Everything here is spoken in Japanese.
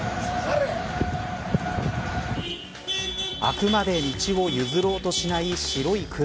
あくまで道を譲ろうとしない白い車。